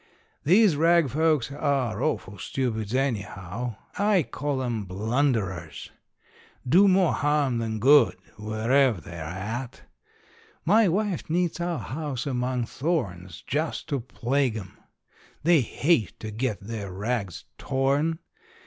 These rag folks are awful stupids, anyhow. I call 'em "blunderers." Do more harm than good wherever they're at. My wife knits our house among thorns just to plague 'em. They hate to get their rags torn.